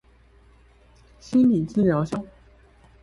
心理治療小說